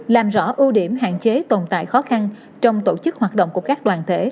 làm rõ ưu điểm hạn chế tồn tại khó khăn trong tổ chức hoạt động của các đoàn thể